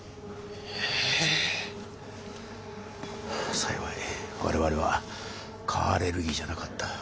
幸い我々は蚊アレルギーじゃなかった。